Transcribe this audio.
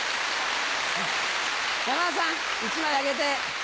山田さん１枚あげて。